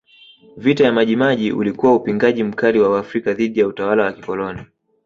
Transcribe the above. Vita ya Maji Maji ulikuwa upingaji mkali wa Waafrika dhidi ya utawala wa kikoloni